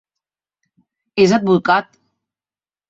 És advocat.